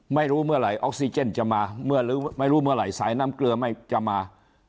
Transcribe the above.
ไม่รู้เมื่อไหร่ออกซิเจนจะมาเมื่อไม่รู้เมื่อไหร่สายน้ำเกลือไม่จะมา